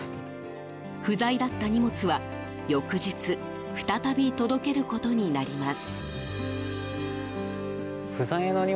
不在だった荷物は翌日再び届けることになります。